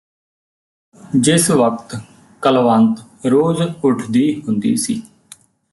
ਜਿਸ ਵਕਤ ਕਲਵੰਤ ਰੋਜ਼ ਉੱਠਦੀ ਹੁੰਦੀ ਸੀ